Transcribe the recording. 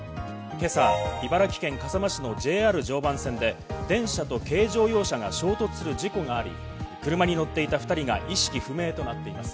今朝、茨城県笠間市のＪＲ常磐線で電車と軽乗用車が衝突する事故があり、車に乗っていた２人が意識不明となっています。